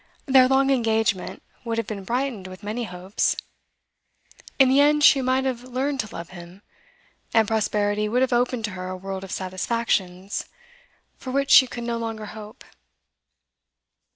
Their long engagement would have been brightened with many hopes; in the end she might have learned to love him, and prosperity would have opened to her a world of satisfactions, for which she could no longer hope.